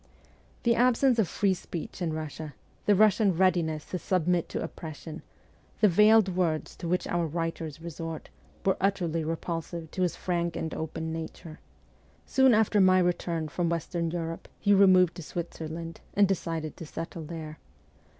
The absence of free speech in Russia, the Russian readiness to submit to oppression, the veiled words to which our writers resort, were utterly repulsive to his frank and open nature. Soon after my return from Western Europe he removed to Switzerland, and decided to settle there.